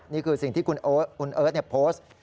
นี่คือสิ่งที่คุณเอิร์ทโพสต์